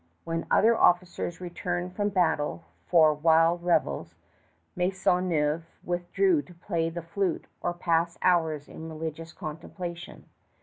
When other officers returned from battle for wild revels, Maisonneuve withdrew to play the flute or pass hours in religious contemplation.